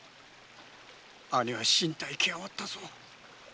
兄は進退極まったぞ。